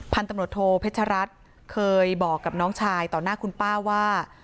พันธุ์ตำรวจโทเพชรัตน์เคยบอกกับน้องชายต่อหน้าคุณป้าว่า